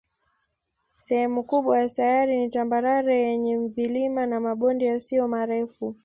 Sehemu kubwa ya sayari ni tambarare yenye vilima na mabonde yasiyo marefu.